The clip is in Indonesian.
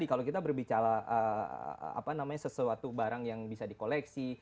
kalau kita berbicara sesuatu barang yang bisa di koleksi